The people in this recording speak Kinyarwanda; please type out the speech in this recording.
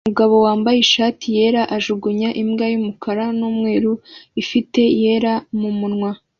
Umugabo wambaye ishati yera ajugunya imbwa yumukara numweru ifite yera mumunwa